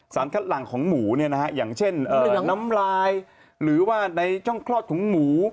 สารคัดหลังของหมูอย่างเช่นน้ำลายหรือว่าในช่องคลอดของหมู